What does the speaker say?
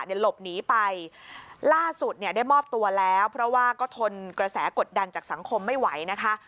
หลบหนีไปล่าสุดเนี่ยได้มอบตัวแล้วเพราะว่าก็ทนกระแสกดดันจากสังคมไม่ไหวนะคะ